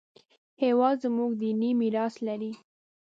هېواد زموږ دیني میراث لري